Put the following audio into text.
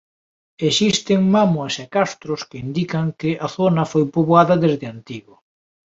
Existen mámoas e castros que indican que a zona foi poboada desde antigo.